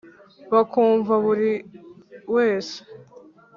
bakumva buri wese